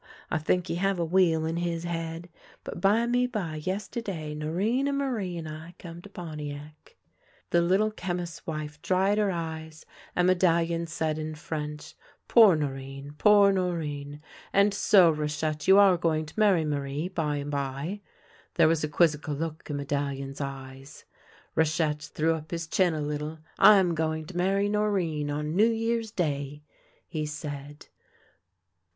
I think he have a wheel in his head. But bimeby, yiste'day, Norinne and Marie and I come to Pontiac." The Little Chemist's wife dried her eyes, and Medal A SON OF THE WILDERNESS 133 lion said in French :" Poor Norinne ! Poor Norinne ! And so, Rachette, you are g'oino^ to marry Alarie, by and by ?" There was a quizzical look in Medallion's eyes. Rachette threw up his chin a little. " I'm going to marry Norinne on New Year's Day," he said.